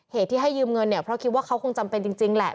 เหตุที่ให้ยืมเงินเนี่ยเพราะคิดว่าเขาคงจำเป็นจริงแหละ